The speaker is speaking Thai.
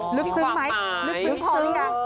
อ่ะลึกถึงไหมลึกถึงพอหรือยัง